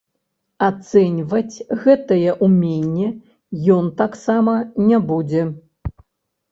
Ацэньваць гэтае ўменне ён таксама не будзе.